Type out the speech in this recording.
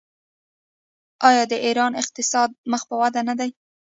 آیا د ایران اقتصاد مخ په وده نه دی؟